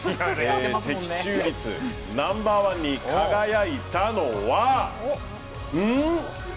的中率ナンバーワンに輝いたのはん？